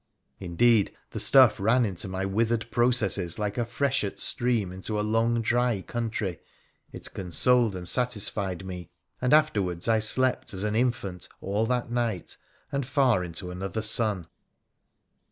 Indeed, the stuff ran into my withered processes like a freshet stream into a long dry country, it consoled and satisfied me, and after PHRA THE rHCENICIAN 29 wards I slept as an infant all that night and far into another sun.